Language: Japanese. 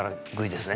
ですね